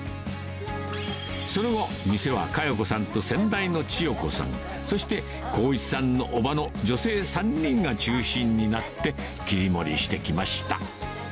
その後、店は香代子さんと先代の千代子さん、そして光一さんのおばの女性３人が中心になって、切り盛りしてきました。